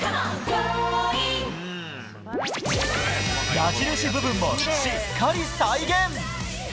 矢印部分もしっかり再現。